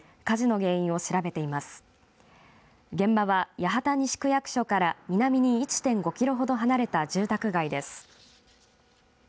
現場は、八幡西区役所から南に１．５キロほど離れた住宅街です。